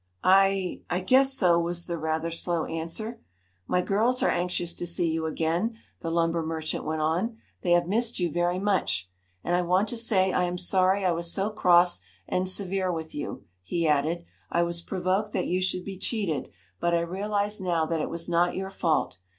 "I I guess so," was the rather slow answer. "My girls are anxious to see you again," the lumber merchant went on. "They have missed you very much. And I want to say I am sorry I was so cross and severe with you," he added. "I was provoked that you should be cheated, but I realize now that it was not your fault.